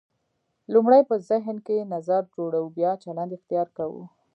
لومړی په ذهن کې نظر جوړوو بیا چلند اختیار کوو.